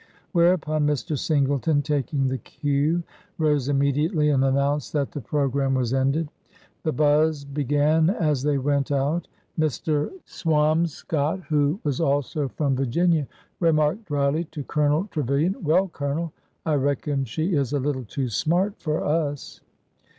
Whereupon, Mr. Singleton, taking the cue, rose immediately and announced that the pro gram was ended. The buzz began as they went out. Mr. Swamscott, who was also from Virginia, remarked dryly to Colonel Tre vilian : Well, Colonel, I reckon she is a little too smart for us!"